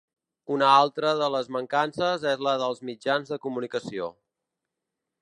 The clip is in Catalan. Una altra de les mancances és la dels mitjans de comunicació.